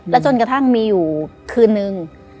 จนกระทั่งมีอยู่คืนนึง